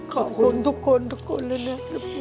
ขอบคุณทุกคนทุกคนเลยนะ